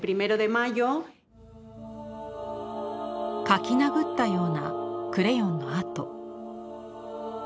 描きなぐったようなクレヨンの跡。